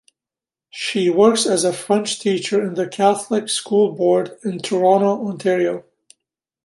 She works as a French Teacher in the Catholic School Board in Toronto, Ontario.